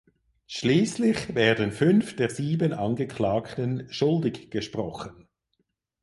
Schließlich werden fünf der sieben Angeklagten schuldig gesprochen.